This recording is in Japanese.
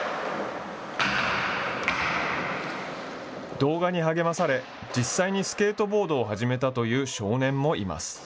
動画に励まされ、実際にスケートボードを始めたという少年もいます。